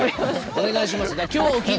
お願いします。